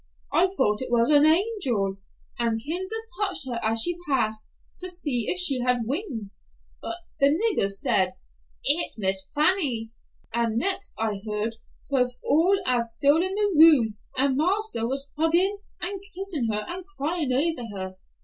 I thought it was an angel, and kinder touched her as she passed, to see if she had wings. But the niggers said, 'It's Miss Fanny,' and next I heard 'twas all as still in the room, and marster was huggin' and kissin' her and cryin' over her.